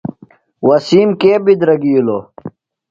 وسیم کے بدرَگِیلُوۡ؟